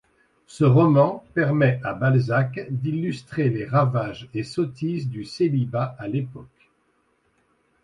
Ce roman permet à Balzac d'illustrer les ravages et sottises du célibat à l'époque.